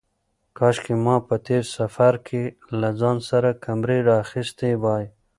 کاشکې ما په تېر سفر کې له ځان سره کمرې راخیستې وای.